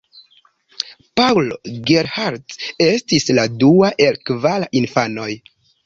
Paul Gerhardt estis la dua el kvar infanoj.